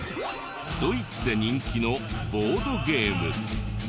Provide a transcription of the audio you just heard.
ドイツで人気のボードゲーム。